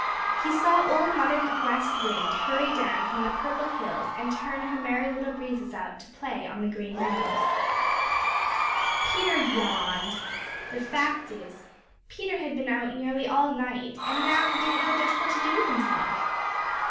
He saw Old Mother West Wind hurry down from the Purple Hills and turn her Merry Little Breezes out to play on the Green Meadows. Peter yawned. The fact is, Peter had been out nearly all night, and now he didn't know just what to do with himself.